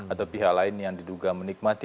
atau pihak lain yang diduga menikmati